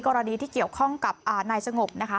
กรณีที่เกี่ยวข้องกับนายสงบนะคะ